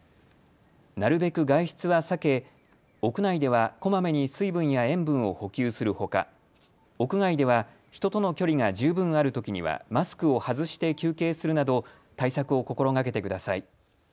なるべく外出は避け、屋内ではこまめに水分や塩分を補給するほか屋外では人との距離が十分あるときにはマスクを外して休憩するなど対策を心がけてください。